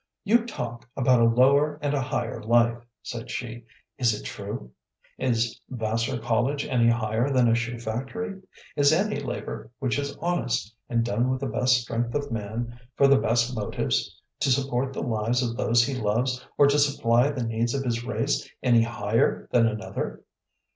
"You talk about a lower and a higher life," said she. "Is it true? Is Vassar College any higher than a shoe factory? Is any labor which is honest, and done with the best strength of man, for the best motives, to support the lives of those he loves, or to supply the needs of his race, any higher than another?